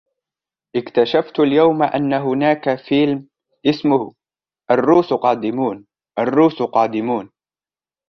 اكتشفت اليوم أن هناك فيلم اسمه " الروس قادمون! " الروس قادمون!